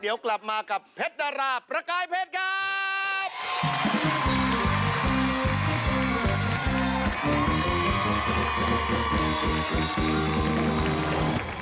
เดี๋ยวกลับมากับเพชรดาราประกายเพชรครับ